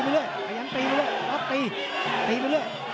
ประยังตีไปเรื่อย